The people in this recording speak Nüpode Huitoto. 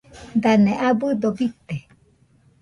Dane abɨdo bite